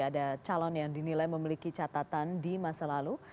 ada calon yang dinilai memiliki catatan di masa lalu